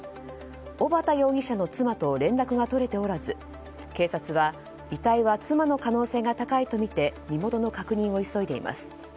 小幡容疑者の妻と連絡が取れておらず警察は遺体は妻の可能性が高いとみて身元の確認を急いでいます。